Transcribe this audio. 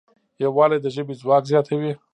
یووالی د ژبې ځواک زیاتوي.